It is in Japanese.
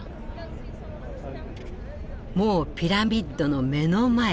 もうピラミッドの目の前。